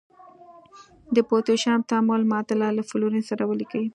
د پوتاشیم تعامل معادله له فلورین سره ولیکئ.